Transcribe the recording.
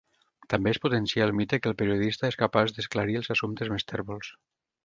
També es potencia el mite que el periodista és capaç d'esclarir els assumptes més tèrbols.